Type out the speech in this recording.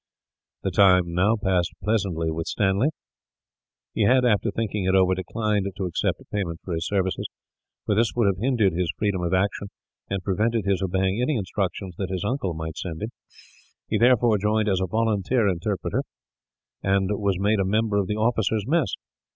The time now passed pleasantly with Stanley. He had, after thinking it over, declined to accept payment for his services; for this would have hindered his freedom of action, and prevented his obeying any instructions that his uncle might send him. He therefore joined as a volunteer interpreter, and was made a member of the officers' mess.